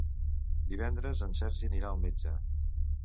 Divendres en Sergi anirà al metge.